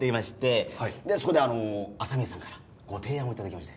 そこで麻宮さんからご提案を頂きまして。